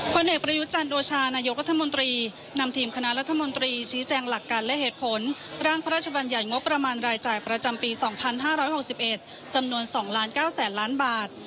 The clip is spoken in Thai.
ผลเอกประยุจันโอชานายกรัฐมนตรีนำทีมคณะรัฐมนตรีชี้แจงหลักการและเหตุผลร่างพระราชบัญญัติงบประมาณรายจ่ายประจำปี๒๕๖๑จำนวน๒๙๐๐๐ล้านบาท